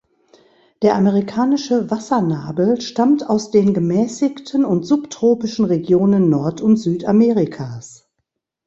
Der Amerikanische Wassernabel stammt aus den gemäßigten und subtropischen Regionen Nord- und Südamerikas.